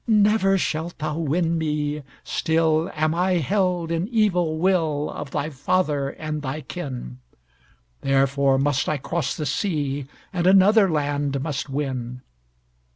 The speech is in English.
Never shalt thou win me; still Am I held in evil will Of thy father and thy kin. Therefore must I cross the sea, And another land must win."